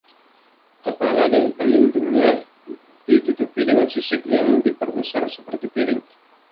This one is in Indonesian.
Kepala dan pelindungnya ditutupi dengan sisik yang diperbesar seperti piring.